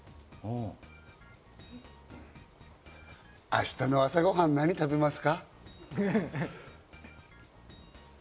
明日の朝ご飯は何を食べます